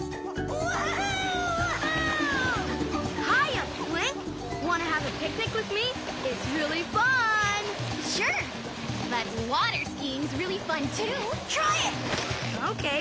オッケー。